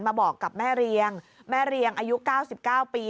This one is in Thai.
มาบอกกับแม่เรียงแม่เรียงอายุ๙๙ปี